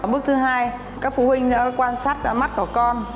bước thứ hai các phụ huynh quan sát mắt của con